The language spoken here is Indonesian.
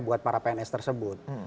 buat para pns tersebut